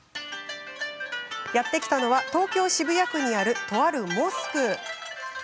やって来たのは東京渋谷区にある、とあるモスク。